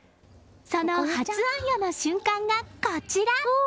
その初あんよの瞬間がこちら。